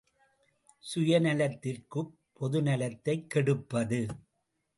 சுயநலத்திற்குப் பொதுநலத்தைக் கெடுப்பது!